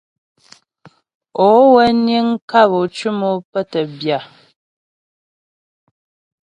Ó wə́ niŋ kap ô cʉm o pə́ tə́ bya.